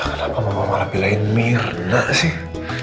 kenapa mama malah bilangin mirna sih